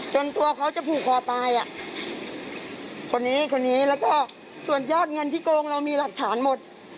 ตัวเขาจะผูกคอตายอ่ะคนนี้คนนี้แล้วก็ส่วนยอดเงินที่โกงเรามีหลักฐานหมด